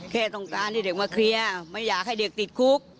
แค่ต้องการให้เด็กมาเคลียร์ไม่อยากให้เด็กติดคุก